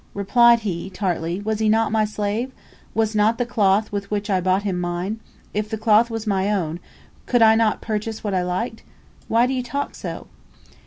Replied he, tartly, "Was he not my slave? Was not the cloth with which I bought him mine? If the cloth was my own, could I not purchase what I liked? Why do you talk so?"